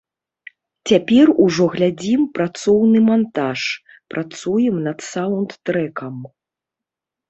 Цяпер ужо глядзім працоўны мантаж, працуем над саўнд-трэкам.